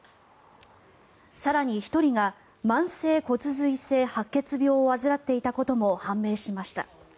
更に、１人が慢性骨髄性白血病を患っていたことも判明しました。